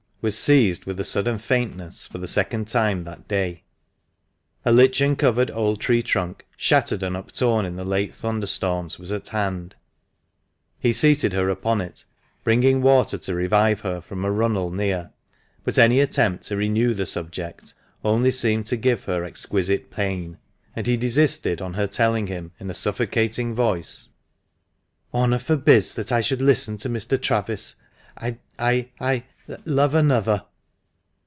was seized with a sudden faintness for the second time that day. A lichen covered old tree trunk, shattered and uptorn in the late thunderstorms, was at hand ; he seated her upon it, bringing water to revive her from a runnel near; but any attempt to renew the subject only seemed to give her exquisite pain, and he desisted on her telling him, in a suffocating voice " Honour forbids that I should listen to Mr. Travis ; I — I — love another."